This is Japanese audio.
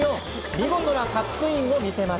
見事なカップインを見せます。